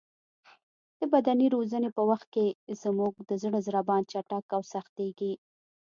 د بدني روزنې په وخت کې زموږ د زړه ضربان چټک او سختېږي.